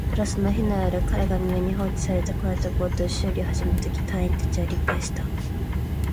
ただ、その日の夜、彼が海辺に放置された壊れたボートの修理を始めたとき、隊員達は理解した